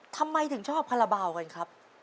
ทำไมถึงชอบคาราบาลกันครับ